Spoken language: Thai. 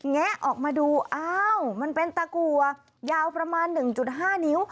แงะออกมาดูอ้าวมันเป็นตะกัวยาวประมาณ๑๕นิ้ว